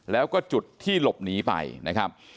แล้วก็จุดที่หลบหนีไปนะครับ